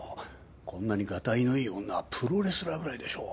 こんなにがたいのいい女プロレスラーぐらいでしょう。